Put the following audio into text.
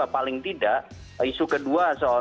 paling tidak isu kedua soal